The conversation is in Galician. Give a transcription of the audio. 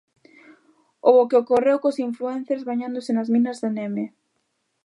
Ou o que ocorreu cos influencers bañándose nas minas de Neme.